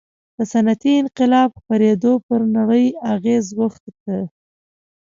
د صنعتي انقلاب خپرېدو پر نړۍ اغېز وښند.